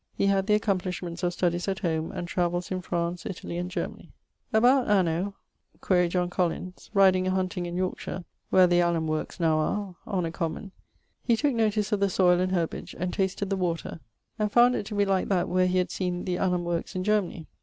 He had the accomplishments of studies at home, and travells in France, Italie, and Germanie. About anno ... (quaere John Collins) riding a hunting in Yorkeshire (where the allum workes now are), on a common, he[BX] tooke notice of the soyle and herbage, and tasted the water, and found it to be like that where he had seen the allum workes in Germanie.